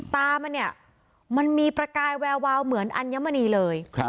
ตามันเนี่ยมันมีประกายแวววาวเหมือนอัญมณีเลย